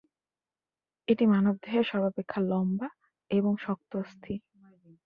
এটি মানবদেহের সর্বাপেক্ষা লম্বা এবং শক্ত অস্থি।